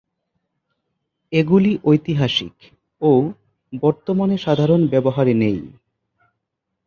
এগুলি ঐতিহাসিক ও বর্তমানে সাধারণ ব্যবহারে নেই।